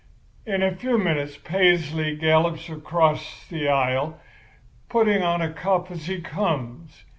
"In a few minutes Paisley gallops up the aisle, putting on a cuff as he comes.